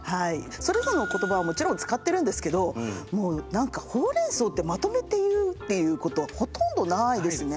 それぞれの言葉はもちろん使ってるんですけどもう何かホウ・レン・ソウってまとめてって言うっていうことはほとんどないですね。